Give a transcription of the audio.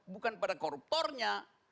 bukan pada koruptornya